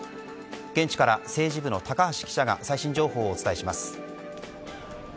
現地から政治部の高橋記者が最新情報をお伝えします。